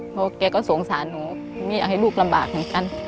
เพราะแกก็สงสารหนูไม่อยากให้ลูกลำบากเหมือนกัน